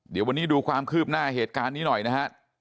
เดี๋ยววันนี้ดูความคืบหน้าเหตุการณ์นี้หน่อยนะฮะ